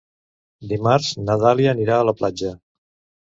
Dimarts na Dàlia anirà a la platja.